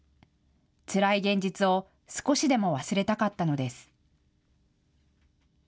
つらい現実を少しでも忘れたかったのです。